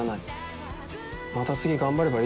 また次頑張ればいいだろ。